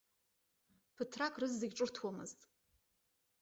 Ԥыҭрак рызегь ҿырҭуамызт.